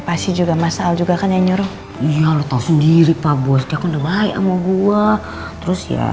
masih juga masalah juga kan nyuruh iya lu tahu sendiri pak bos dia udah baik sama gua terus ya